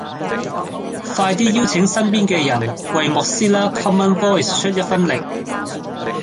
快啲邀請身邊嘅人為 Mozilla common voice 出一分力